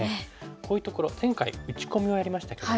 こういうところ前回打ち込みをやりましたけども。